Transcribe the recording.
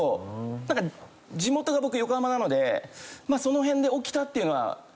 なんか地元が僕横浜なのでその辺で起きたっていうのは知ってるんですけど。